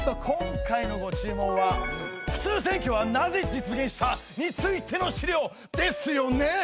今回のご注文は「普通選挙はなぜ実現した？」についての資料ですよね！？